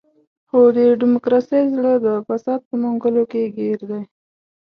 خو د ډیموکراسۍ زړه د فساد په منګولو کې ګیر دی.